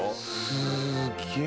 すげえ。